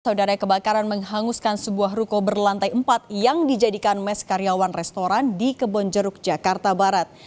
saudara kebakaran menghanguskan sebuah ruko berlantai empat yang dijadikan mes karyawan restoran di kebonjeruk jakarta barat